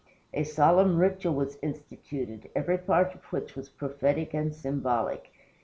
A solemn ritual was instituted, every part of which was prophetic and symbolic.